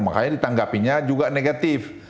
makanya ditanggapinya juga negatif